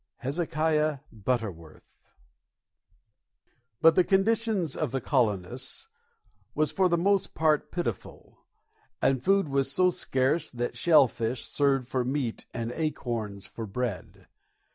HEZEKIAH BUTTERWORTH. But the condition of the colonists was for the most part pitiful, and food was so scarce that shell fish served for meat and acorns for bread.